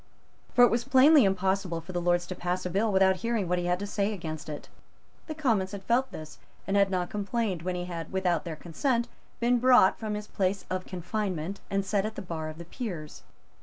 For it was plainly impossible for the Lords to pass the bill without hearing what he had to say against it. The Commons had felt this, and had not complained when he had, without their consent, been brought from his place of confinement, and set at the bar of the Peers.